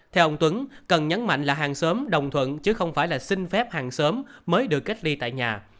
theo ông tuấn cần nhấn mạnh là hàng sớm đồng thuận chứ không phải là xin phép hàng sớm mới được cách ly tại nhà